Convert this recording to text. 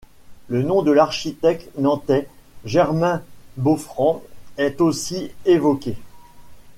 Le nom de l'architecte nantais Germain Boffrand est aussi évoqué.